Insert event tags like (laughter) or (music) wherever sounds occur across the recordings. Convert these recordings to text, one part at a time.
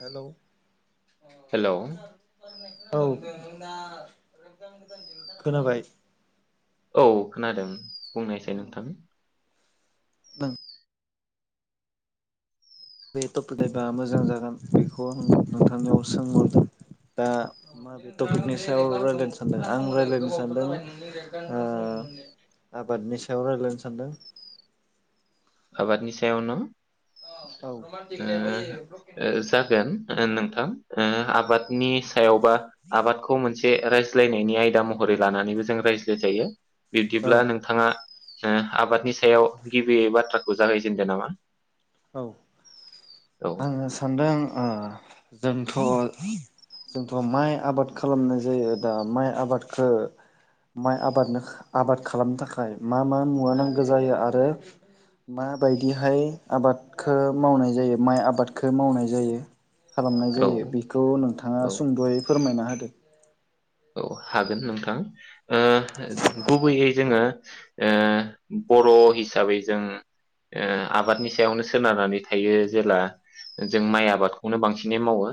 हेल हेल औ (unintelligible) खोनाबाय। औ खोनादों। बुंनायसाय नोंथां। (unintelligible) बे टपिनिकबा मोजां जागोन बेखौ आं नोंथांनियाव सोंहरदों दा माबे टपिकनि सायाव रायलायनो सानदों आं रायजलायनो सानदों ओ आबादनि सायाव रायजलायनो सानदों। आबादनि सायाव न। औ ओमह जागोन नोंथां। ओ आबाद नि सायावबा आबादखौ मोनस से रायज्लायनायनि आयदा महरै लानानैबो जों रायज्लायजायो। औ बिब्दिब्ला नोंथाङा ओ आबादनि सायाव गिबि बाथ्रा जागायजेनदो नामा औ औ आङो सानदों ओ जोंथ जोंथ माइ आबाद खालामनाय जायो दा माइ आबादखौ माइ आबादनो आबाद खालामनो थाखाय मा मा मुवा नांगौ जायो आरो माबायदिहाय आबादखौ मावनाय जायो माइ आबादखौ मावनाय जायो खालामनाय औ जायो बेखौ नोंथाङा औ सुंदयै फोरमायना होदो औ हागोन नोंथां ओ गुबैयै जोङो ओ बर' हिसाबै जों ओ आबादनि सायावनो सोनारनानै थायो जेला जों माइ आबादखौनो बांसिनै मावो।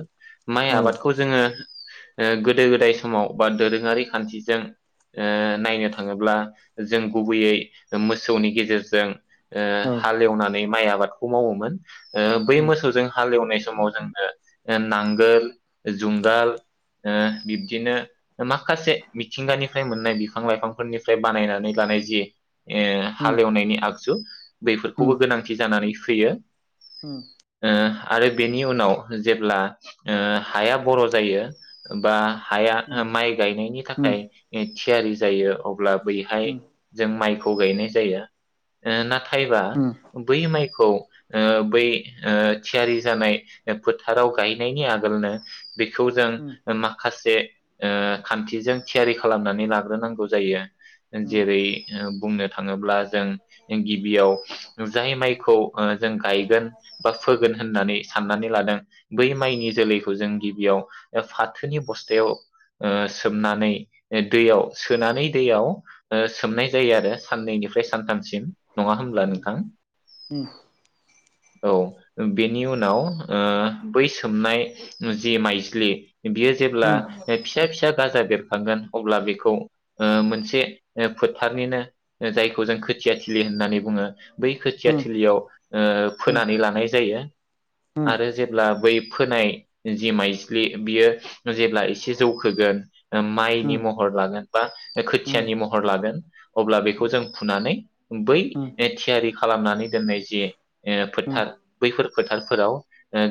माइ औ आबादखौ जोङो ओ गोदो गोदाय समाव बा दोरोङारि खान्थिजों ओ नायनो थाङोब्ला जों गुबैयै ओ मोसौनि गेजेरजों ओ औ हालेवनानै माइ आबादखौ मावोमोन ओ बै उम मोसौजों हालेवनाय समाव जोंनो नांगोल जुंगाल ओ बि बिदिनो माखासे मिथिंगानिफ्राय मोननाय बिफां लाइफांफोरनिफ्राय बानायनानै लानाय जि ओ उम हालेवनायनि आगजु उम बैफोरखौबो गोनांथि जानानै फैयो उम ओ आरो बेनि उनाव जेब्ला हाया बर जायो बा हाया ओ माइ गायनायनि उम थाखाय ओ थियारि जायो अ ब्ला बैहाय जों माइ खौ गायनाय जायो उम (unintelligible) (unintelligible) बै माइ खौ ओ बै ओ थियारि जानाय ओ फोथाराव गायनायनि आगोलनो बेखौ जों उम उम मा खासे ओ खान्थिजों थियारि खालामनानै लाग्रोनांगौ जायो उम जेरै ओ बुंनो थाङोब्ला जों गिबियाव जाय माइखौ ओ जों गायगोन बा फोगोन होननानै साननानै लादों बै माइनि जोलैखौ जों गिबियाव (unintelligible) फाथोनि बस्थायाव ओ सोमनानै दैयाव सोनानै दैयाव ओ सोमनाय जायो आरो साननैनिफ्राय सानथामसिम। नङा होमब्ला उम नोंथां औ बेनि उनाव ओ बै सोमनाय जि माइज्लि बियो जेब्ला उम ओ फिसा फिसा गाजा बेर गोन अब्ला बेखौ ओ मोनसे ओ फोथारनिनो ओ जायखौ जों खोथियाथिलि होननानै बुङो बै खोथिया उम थिलियाव ओ उम उम फोनानै लानाय जायो आरो जेब्ला बै फोनाय जि माइज्लि बियो जेब्ला एसे जौखोगोन ओ माइनि महर लागोन बा उम खोथियानि महर लागोन अब्ला बेखौ जों फुनानै बै थियारि खालामनानै दोननाय जे ओ फोथार बैफोर फोथारफोराव ओ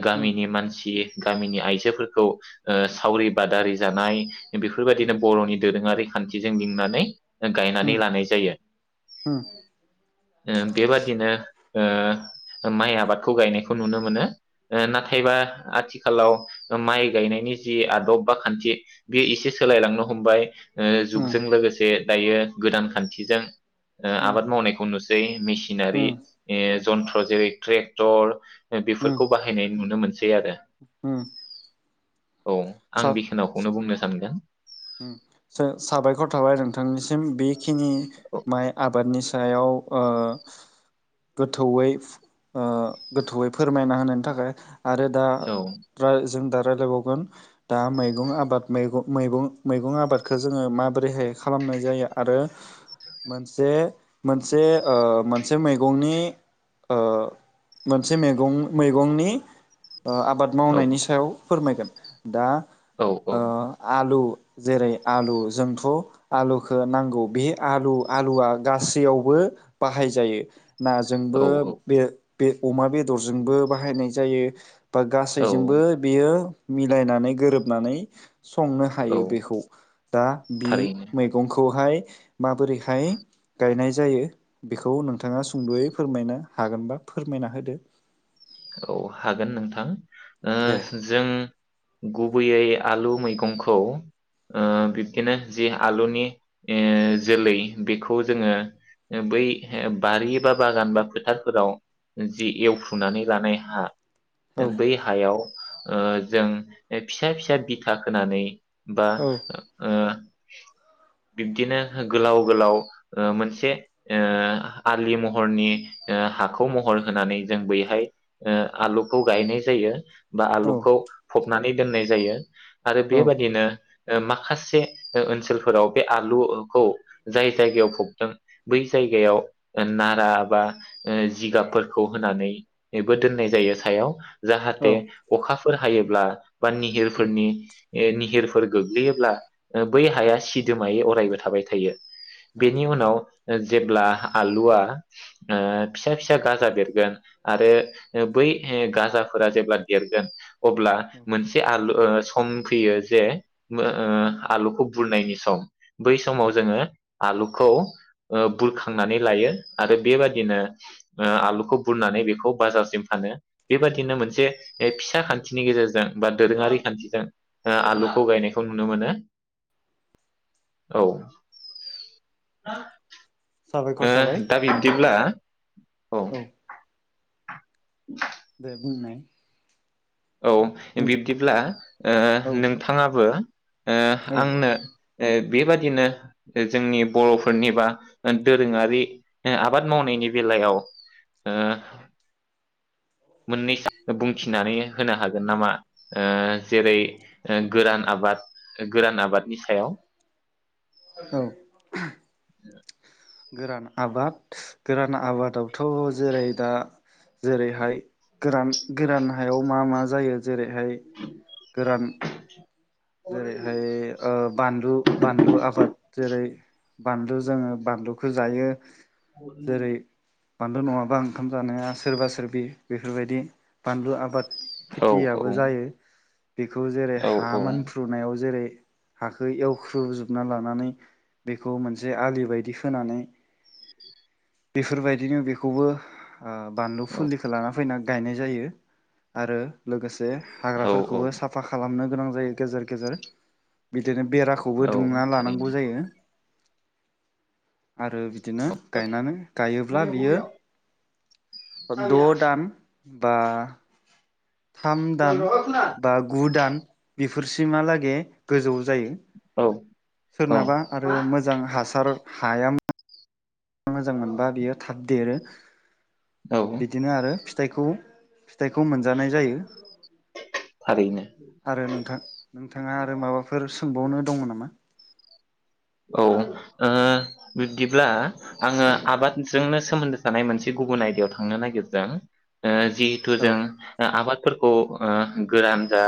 गामिनि मानसि गामिनि आइजोफोर खौ ओ सावरि बादारि जानाय बेफोर बायदिनो बर'नि दोरोङारि खान्थिजों लिंनानै गायनानै लानाय जायो ओ बेबादिनो ओ माइ आबादखौ गायनायखौ नुनो मोनो नाथायबा आथिखालाव माइ गायनायनि जि आदब बा खान्थि बेयो एसे सोलायलांनो हमबाय ओ जुगजों लोगोसे दायो गोदान खान्थिजों ओ आबाद मावनायखौ नुसै मेसिनारि उम ओ जन्थ्र जेरै ट्रेक्टर उम बेफोरखौ बाहायनाय नुनो मोन बे आरो उम औ आं बिखनाखौनो बुंनो सानगोन उम सा साबायखर थाबाय नोंथांनिसिम बे बेखिनि औ माइ आबादनि सायाव ओ गोथौयै ओ गोथौयै फोरमायना होनायनि थाखाय आरो दा औ (inaudible) जों दा रायलायबावगोन दा मैगं आबाद मैग मैगं मैगं आबादखौ जोङो माबोरैहाय खालामनाय जायो आरो मोनसे मोनसे ओ मोनसे मैगंनि ओ मोनसे मैगं मैगंनि ओ आबाद औ मावनायनि सायाव फोरमायगोन दा औ ओ आलु जेरै आलु जोंथ आलुखौ नांगौ बे आलु आलुया गासैयावबो बाहायजायो नाजोंबो औ बे बे अमा बेदर जोंबो बाहायनाय जायो बा औ गासैजोंबो बेयो मिलायनानै गोरोबनानै संनो औ हायो बेखौ ओ दा बि थारैनो मैगंखौहाय माबोरैहाय गायनाय जायो बेखौ नोंथाङा सुंदयै फोरमायनो हागोनबा फोरमायना होदो औ हागोन नोंथां दे ओ जों गुबैयै आलु मैगंखौ ओ बिबदिनो जि आलुनि ओ जोलै बेखौ जोङो बै बारि बा बागान बा फोथारफोराव जि एवफ्रुनानै लानाय हा औ ओ बै हायाव ओ जों फिसा फिसा बिथा खोनानै बा औ ओ बिब्दिनो गोलाव गोलाव ओ मोनसे ओ आलि महरनि ओ हाखौ महर होनानै जों बैहाय ओ आलुखौ गायनाय जायो। बा औ आलुखौ फब नानै दोन्नाय जायो। आरो औ बेबादिनो ओ माखासे ओ ओनसोलफोराव बे आलुओखौ जाय जायगायाव फबदों बै जायगायाव ओ नारा बा ओ जिगाबफोरखौ होनानै नैबो दोन्नाय जायो सायाव। जाहाथे अखा फोर हायोब्ला बा निहिरफोरनि ए निहिरफोर गोग्लैयोब्ला ओ बै हाया सिदोमायै अरायबो थाबाय थायो। औ बेनि उनाव ओ जेब्ला आलुआ ओ फिसा फिसा गाजा बेरगोन आरो ओ बै ए गाजाफोरा जेब्ला देरगोन अब्ला मोनसे आलु ओ सम फैयो जे मो ओ आलुखौ बुरनायनि सम बै समाव जोङो आलुखौ ओ बुरखांनानै लायो आरो बेबादिनो ओ आलुखौ बुरनानै बेखौ बाजारसिम फानो। बेबादिनो मोनसे ए फिसा खान्थिनि गेजेरजों बा दोरोङारि खान्थिजों ओ उम आलुखौ गायनायखौ नु नो मोनो। औ। (inaudible) ओ साबायखर थाबाय दा बिब्दिब्ला औ। (inaudible) दे बुंनाय। औ नोंथां। बिब्दिब्ला ओ औ नोंथाङाबो ओ औ आंनो ओ बेबादिनो जोंनि बर'फोरनि बा ओ दोरोङारि आबाद मावनायनि बेलायाव ओ मोन्नैसो बुंथिनानै होनो हागोन नामा? ओ जेरै ओ गोरान आबाद गोरान आबादनि सायाव? (inaudible) औ गोरान आबाद। गोरान आबादाव थ जेरै दा जेरैहाय गोरान गोरान हायाव मा मा जायो जेरैहाय गोरान जेरैहाय ओ बानलु बानलु आबाद जेरै बानलु जोङो बानलुखौ जायो। जेरै (inaudible) बानलु नङाबा ओंखाम जानाया सोरबा सोरबि बेफोरबायदि बानलु आबाद औ औ खेथियाबो जायो । बेखौ जेरै औ औ हामोन। नायाव जेरै हखौ एवख्रुजोबनानै लानानै बेखौ मोनसे आलि बायदि होनोनानै। बेफोरबायदिनो बेखौबो। ओ बानलु फुलिखौ लाना फैनाल गायनाय जायो आरो लोगोसे। से औ औ औ हाग्राफोरखौबो साफा खालामनो। गोनां जायो गेजर गेजेर। बिदिनो बेराखौबो औ दुंना लानांगौ थारैनो जायो । आरो बिदिनो गायनानै। औ गायोब्ला बियो। द दान बा। थाम दान बा गु दान फोरसिमालागे गोजौ जायो औ। सोरनाबा आरो मोजां हासार हाया (unintelligible) मोजां मोनबा बियो थाब देरो। औ बिदिनो आरो जायखौ। फिथाइखौ मोनजानाय जायो थारैनो आरो नोंथां नोंथाङा आरो माबाफोर सोंबावनो दङ नामा। औ ओ बिदिब्ला आङो आबादजोंनो सोमोन्दो थानाय मोनसे गुबुन आयदायाव थांनो नागिरदों ओ। जिहेथु औ जों ओ आबाद। फोरखौ ओ गोरान जा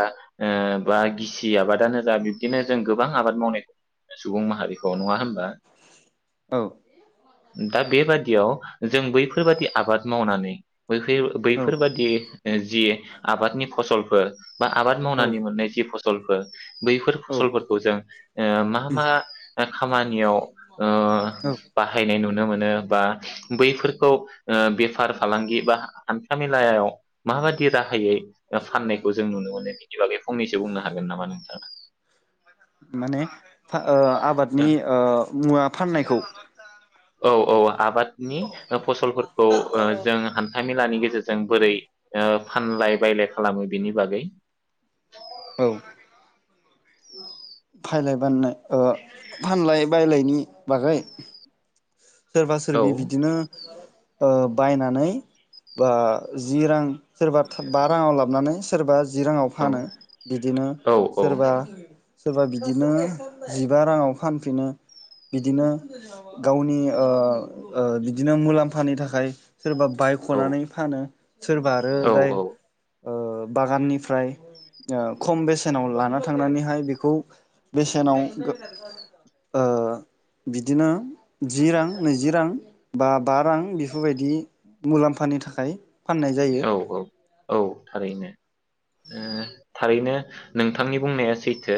ओ बा गिसि आबादानो जा बिब्दिनो जों गोबां आबाद मावनाय (unintelligible) हारिखौ नङा होनबा। औ। दा बेबादियाव जों बैफोरबादि आबाद मावनानै। बैफे औ बैफोरबादि। जि आबादनि फसलफोर। बा आबाद औ मावनानै मोननाय जि फस (unintelligible) बैफोर औ फसलफोरखौ जों ओ मा मा खामानियाव ओ औ बाहायनाय नुन नुनो मोनो बा बैफोरखौ ओ बेफार फालांगि बा हान्था मेलायाव माबायदि राहायै फाननायखौ जों नुनो मोनो (unintelligible) फंनैसो बुंनो हागोन नामा नों? (inaudible) माने ओ आबाद नि ओ मुवा फाननायखौ औ औ आबाद नि फसलफोरखौ जों हान्था मेलानि गेजेरजों बोरै ओ फानलाय बायलाय खालामो बेनि बागै औ (inaudible) फायलाय बाननाय फानलाय बायलायनि बागै सोरबा औ सोरबि बिदिनो ओ बायनानै बा जि रां सोरबा बा राङाव लाबोनानै सोरबा जिराङाव औ फानो बिदिनो औ सोरबा सोरबा बिदिनो जिबा राङाव फानफिनो बिदिनो गावनि ओ ओ बिदिनो मुलाम्फानि थाखाय सोरबा औ बायख'नानै फानो सोरबा आरो औ दाय ओ बागाननिफ्राय ओ खम बेसेनाव लाना थांनानैहाय बेखौ बेसेनाव ओ बिदिनो जि रां नैजि रां बा बा रां बेफोरबायदि मुलाम्फानि थाखाय फाननाय जायो औ औ औ थारैनो। ओ थारैनो नोंथांनि बुंनाया सैथो।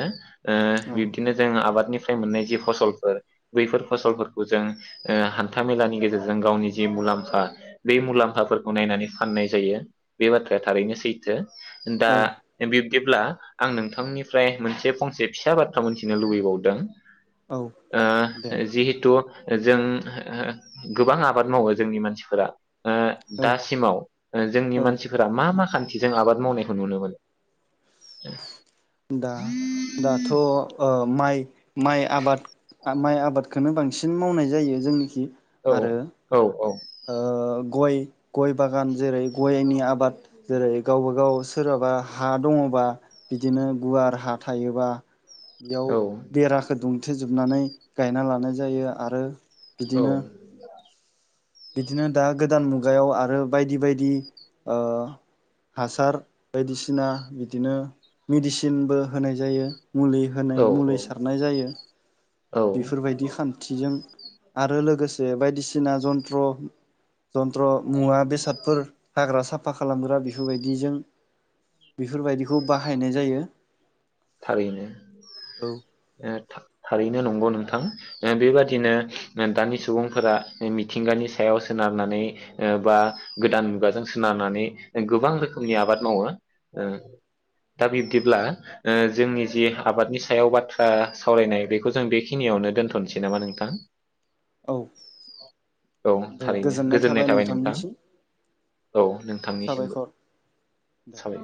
ओ औ बिबदिनो जों आबादनि फ्राय मोननाय जि फसलफोर बैफोर फसलफोरखौ जों ओ हान्था मेलानि गेजेरजों गावनि जि मुलाम्फा बे मुलाम्फाफोरखौ नायनानै फाननाय जायो बे बाथ्राया थारैनो सैथो दा औ बिब दिब्ला आं नोंथांनिफ्राय मोनसे फंसे फिसा बाथ्रा मोनथिनो लुबैबावदों औ ओ दे जिहतु जों गोबां आबाद मावो जोंनि मानसिफोरा ओ औ दासिमाव ओ जोंनि औ मानसिफोरा मा? मा मा खान्थिजों आबाद मावनायखौ नुनो मोनो? दा दाथ ओ माइ माइ आबाद माइ आबादखोनो बांसिन मावनाय जायो जोंनिखि औ आरो औ औ ओ गय गय बागान जेरै गयनि आबाद जेरै गावबाागाव सोरहाबा हा दङबा बिदिनो गुवार हा थायोबा बेयाव बेराखो दुम थे जोबनानै गायना लानाय जायो आरो औ बिदिनो बिदिनो दा गोदान मुगायाव आरो बायदि बायदि ओ हासार बायदिसिना बिदिनो मेडिसिनबो होनाय जायो मुलि औ होनाय औ मुलि सारनाय जायो। औ बेफोरबायदि खान थिजों आरो लोगोसे बायदिसिना जन्थ्र जन्त्र मुवा बेसादफोर हाग्रा साफ साफा खालामग्रा बेफोरबायदिजों बेफोरबायदिखौ बाहायनाय जायो। थारैनो औ ओ था थारै नो नंगौ नोंथां ओ बेबादिनो दानि सुबुंफोरा मिथिंगानि सायाव सोनारनानै ओ बा गोदान मुगाजों सोनारनानै गोबां रोखोमनि आबाद मावो ओ दा बिब्दिब्ला जोंनि जि आबादनि सायाव बाथ्रा सावरायनाय बेखौ जों बेखिनियावनो दोनथनोसै नामा नोंथां? औ औ थारैनो गोजोननाय थाबाय नोंथां औ नोंथांनिसिमबो साबायखर दे साबाय